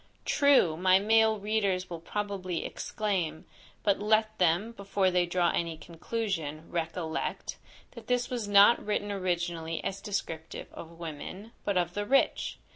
True! my male readers will probably exclaim; but let them, before they draw any conclusion, recollect, that this was not written originally as descriptive of women, but of the rich.